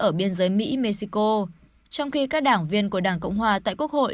ở biên giới mỹ mexico trong khi các đảng viên của đảng cộng hòa tại quốc hội